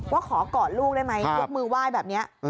ว่าขอกอดลูกได้ไหมยกมือไหว้แบบนี้